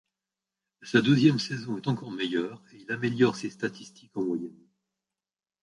Sa deuxième saison est encore meilleure et il améliore ses statistiques en moyenne.